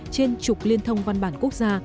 trên chục liên thông văn bản quốc gia